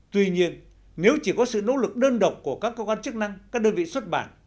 tuy nhiên nếu chỉ có sự nỗ lực đơn độc của các cơ quan chức năng các đơn vị xuất bản